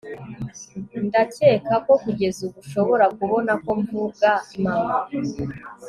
ndakeka ko kugeza ubu ushobora kubona ko mvuga mama